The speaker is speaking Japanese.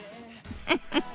フフフ。